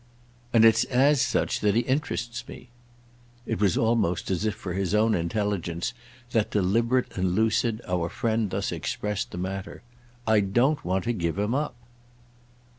And it's as such that he interests me." It was almost as if for his own intelligence that, deliberate and lucid, our friend thus expressed the matter. "I don't want to give him up."